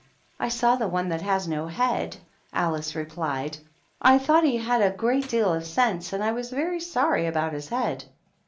"I saw the one that has no head," Alice i plied. " I thought he had a great deal of senj and I was very sorry about his head."